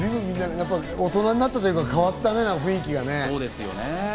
大人になったというか、変わったね、雰囲気が。